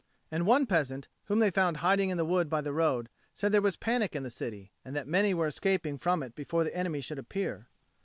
And one peasant, whom they found hiding in the wood by the road, said there was panic in the city, and that many were escaping from it before the enemy should appear.